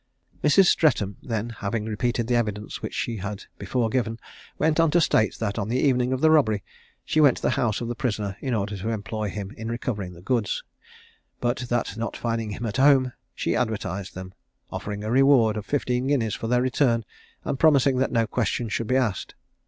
Mrs. Stretham then, having repeated the evidence which she had before given, went on to state that on the evening of the robbery she went to the house of the prisoner in order to employ him in recovering the goods, but that not finding him at home, she advertised them, offering a reward of fifteen guineas for their return, and promising that no questions should be asked.